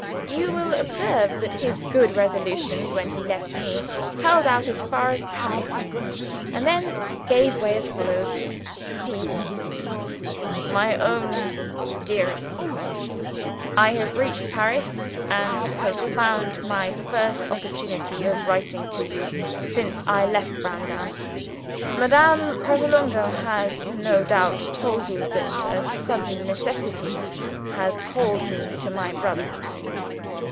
You will observe that his good resolutions, when he left me, held out as far as Paris and then gave way as follows. P.] "MY OWN DEAREST, I have reached Paris, and have found my first opportunity of writing to you since I left Browndown. Madame Pratolungo has no doubt told you that a sudden necessity has called me to my brother.